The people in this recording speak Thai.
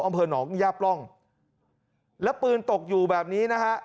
อำเภอหนองย่าปล่องแล้วปืนตกอยู่แบบนี้นะฮะ